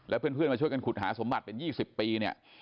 และเพื่อนมาช่วยกันขุดหาสมบัติเป็น๒๐ปี